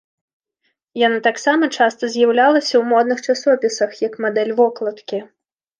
Яна таксама часта з'яўлялася ў модных часопісах як мадэль вокладкі.